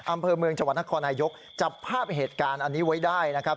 อำเภอเมืองจังหวัดนครนายกจับภาพเหตุการณ์อันนี้ไว้ได้นะครับ